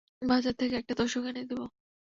বাজার থেকে একটা তোশক এনে দিব।